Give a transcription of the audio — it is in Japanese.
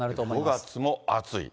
５月も暑い。